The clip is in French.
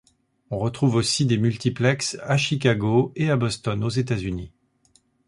On retrouve aussi des multiplex à Chicago et à Boston aux États-Unis.